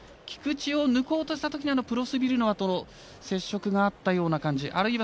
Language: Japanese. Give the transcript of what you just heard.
菊池を抜こうとしたときにプロスビルノワと接触があったような感じ。